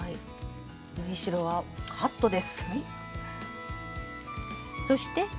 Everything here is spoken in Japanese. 縫い代はカットです。